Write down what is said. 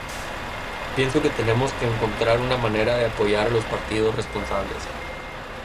Pienso que tenemos que encontrar una manera de apoyar a los partidos responsables.